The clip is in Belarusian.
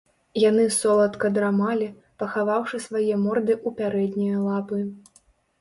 Яны соладка драмалі, пахаваўшы свае морды ў пярэднія лапы.